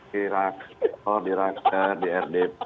di raksor di raksa di rdp